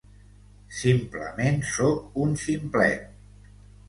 Simplement soc un ximplet.